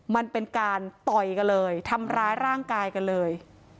มันเป็นการต่อยกันเลยทำร้ายร่างกายกันเลย